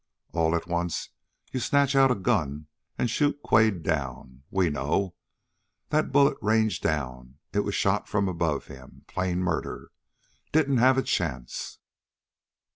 All at once you snatch out a gun and shoot Quade down. We know! That bullet ranged down. It was shot from above him, plain murder! He didn't have a chance!"